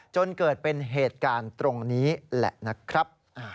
จนเกิดเป็นเหตุการณ์ตรงนี้แหละนะครับ